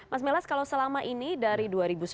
mas melas kalau selama ini dari